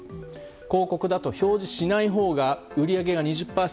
広告だと表示しないほうが売り上げが２０％